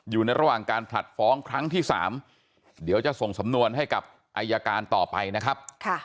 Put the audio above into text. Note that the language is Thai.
อยู่ในระหว่างการผลัดฟ้องครั้งที่๓เดี๋ยวจะส่งสำนวนให้กับอายการต่อไปนะครับ